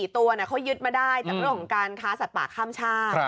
ตัวเขายึดมาได้จากเรื่องของการค้าสัตว์ป่าข้ามชาติ